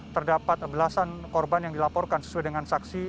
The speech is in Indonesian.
terdapat belasan korban yang dilaporkan sesuai dengan saksi